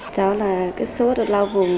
cháu là cái số được lao vùng